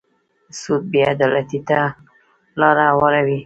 سود بې عدالتۍ ته لاره هواروي.